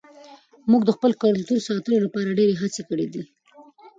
موږ د خپل کلتور ساتلو لپاره ډېرې هڅې کړې دي.